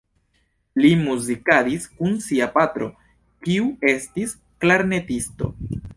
Li muzikadis kun sia patro, kiu estis klarnetisto.